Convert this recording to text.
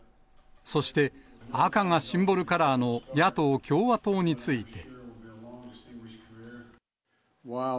そして、赤がシンボルカラーの野党・共和党について。